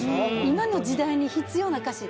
今の時代に必要な歌詞。